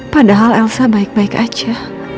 padahal elsa baik baik aja